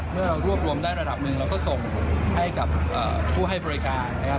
เดี๋ยวเรารวบรวมได้ระดับนึงเราก็ส่งให้กับผู้ให้บริการ